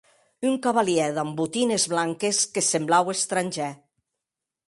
Un cavalièr damb botines blanques que semblaue estrangèr.